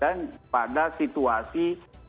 dan pada situasi